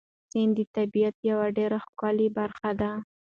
سیند د طبیعت یوه ډېره ښکلې برخه ده.